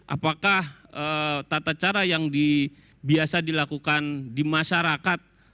apakah tata cara yang biasa dilakukan di masyarakat